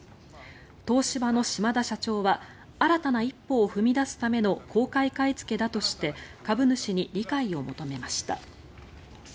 東芝の島田社長は新たな一歩を踏み出すための公開買いつけだとして株主に理解を求めました。